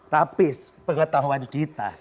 tapi pengetahuan kita